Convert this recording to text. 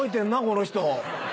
この人。